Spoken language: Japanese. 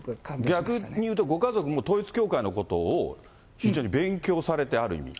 逆にいうとご家族、もう統一教会のことを非常に勉強されて、ある意味。